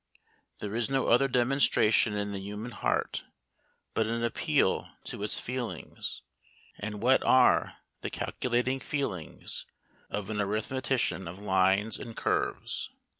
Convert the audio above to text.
There is no other demonstration in the human heart, but an appeal to its feelings: and what are the calculating feelings of an arithmetician of lines and curves?